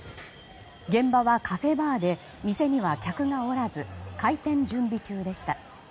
現場はカフェバーで店には客がおらず開店準備中でした。